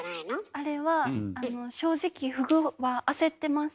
あれはあの正直フグは焦ってます。